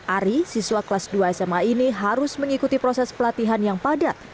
ari siswa kelas dua sma ini harus mengikuti proses pelatihan yang padat